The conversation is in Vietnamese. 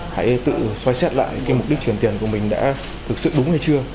hãy tự xoay xét lại mục đích chuyển tiền của mình đã thực sự đúng hay chưa